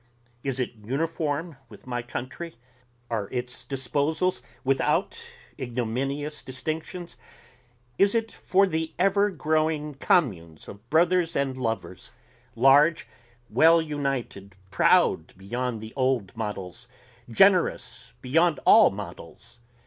Is it uniform with my country? Are its disposals without ignominious distinctions? Is it for the ever growing communes of brothers and lovers, large, well united, proud beyond the old models, generous beyond all models?